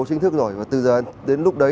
chính thức rồi và từ giờ đến lúc đấy